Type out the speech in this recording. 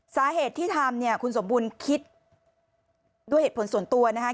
สาเหตุที่ทำเนี่ยคุณสมบูรณ์คิดด้วยเหตุผลส่วนตัวนะคะ